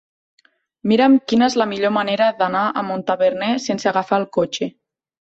Mira'm quina és la millor manera d'anar a Montaverner sense agafar el cotxe.